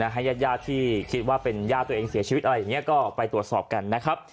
ญาติญาติที่คิดว่าเป็นญาติตัวเองเสียชีวิตอะไรอย่างนี้ก็ไปตรวจสอบกันนะครับ